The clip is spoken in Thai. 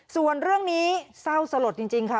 ส่วนเรื่องนี้เศร้าสลดจริงค่ะ